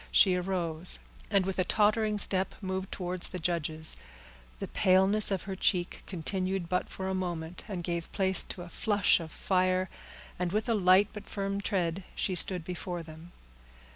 She arose, and with a tottering step moved towards the judges; the paleness of her cheek continued but for a moment, and gave place to a flush of fire, and with a light but firm tread, she stood before them.